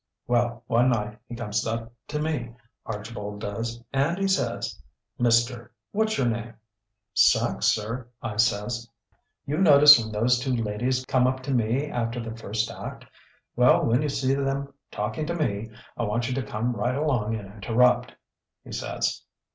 Well, one night he comes up to me, Archibald does, and he says: "'Mr. what's your name?' "'Sachs, sir,' I says. "'You notice when those two ladies come up to me after the first act. Well, when you see them talking to me, I want you to come right along and interrupt,' he says.